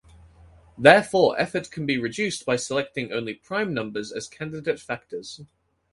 Therefore, effort can be reduced by selecting only prime numbers as candidate factors.